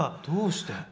どうして？